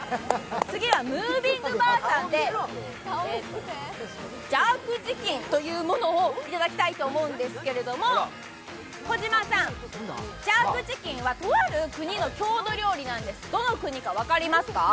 次はＭｏｖｉｎｇＢａｒさんで、ジャークチキンをいただきたいと思うんですけども、児嶋さん、ジャークチキンはとある国の料理なんですがどの国か分かりますか？